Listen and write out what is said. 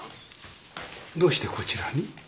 どうしてこちらに？